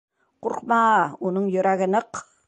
Ҡурҡма, уның йөрәге ныҡ.